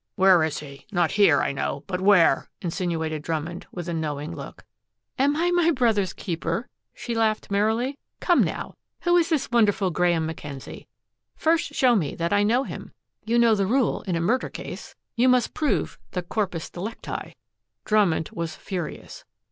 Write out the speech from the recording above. "Where is he? Not here, I know. But where?" insinuated Drummond with a knowing look. "Am I my brother's keeper?" she laughed merrily. "Come, now. Who is this wonderful Graeme Mackenzie? First show me that I know him. You know the rule in a murder case you must prove the CORPUS DELICTI." Drummond was furious.